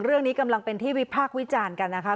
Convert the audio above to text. เรื่องนี้กำลังเป็นที่วิพากษ์วิจารณ์กันนะคะ